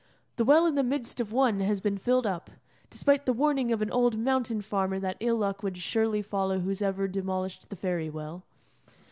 The well in the midst of one has been filled up, despite the warning of an old mountain farmer that ill luck would surely follow whosoever demolished the fairy well.